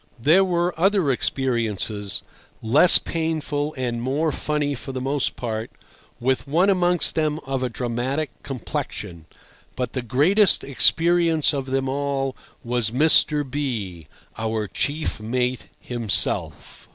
There were other experiences, less painful and more funny for the most part, with one amongst them of a dramatic complexion; but the greatest experience of them all was Mr. B—, our chief mate himself.